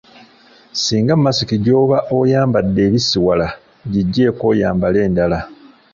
Singa masiki gy’oba oyambadde ebisiwala, giggyeeko oyambale endala.